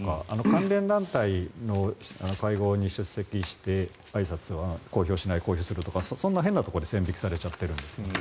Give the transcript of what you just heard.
関連団体の会合に出席してあいさつは公表しない、するとかそんな変なところで線引きされちゃってるんですね。